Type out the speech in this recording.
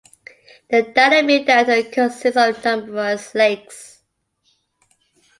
The Danube Delta consists of numerous lakes.